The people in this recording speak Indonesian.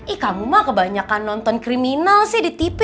eh kamu mah kebanyakan nonton kriminal sih di tv